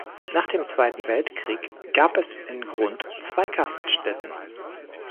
Nach dem Zweiten Weltkrieg gab es in Grund zwei Gaststätten.